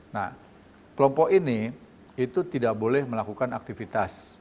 nah kelompok ini itu tidak boleh melakukan aktivitas